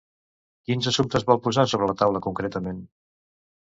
Quins assumptes vol posar sobre la taula concretament?